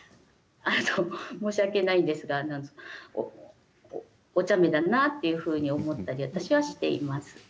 あの、申し訳ないんですがおちゃめだなっていうふうに思ったり私はしています。